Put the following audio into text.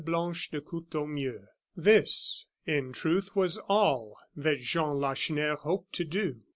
Blanche de Courtornieu. This, in truth, was all that Jean Lacheneur hoped to do.